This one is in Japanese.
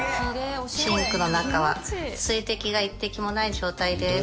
シンクの中は水滴が一滴もない状態です。